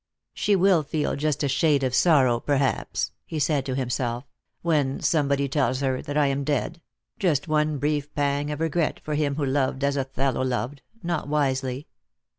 " She will feel just a shade of sorrow, perhaps," he said to himself, "when somebody tells her that I am dead; just one brief pang of regret for him who loved as Othello loved — not wisely.